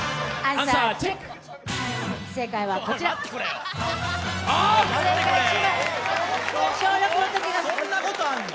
こんなことあんの？